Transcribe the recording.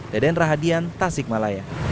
deden rahadian tasikmalaya